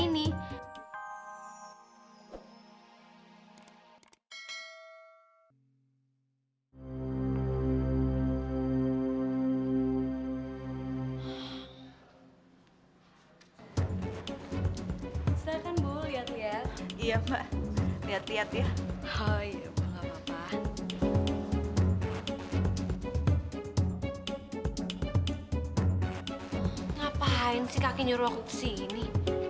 ngapain sih kakinya ruwaku kesini